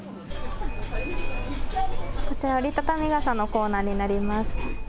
こちら折り畳み傘のコーナーになります。